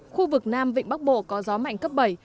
khu vực nam vịnh bắc bộ có gió mạnh cấp bảy